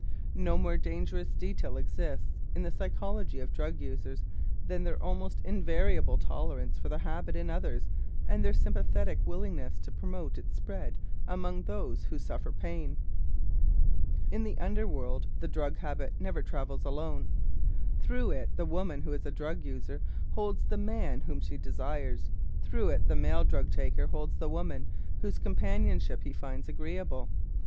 No more dangerous detail exists in the psychology of drug users than their almost invariable tolerance for the habit in others and their sympathetic willingness to promote its spread among those who suffer pain. In the under world the drug habit never travels alone. Through it the woman who is a drug user holds the man whom she desires; through it the male drug taker holds the woman whose companionship he finds agreeable.